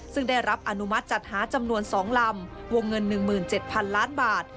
ซึ่งได้รับอนุมัติจัดหาจำนวน๒ลำวงเงิน๑๗๐๐๐ล้านบาท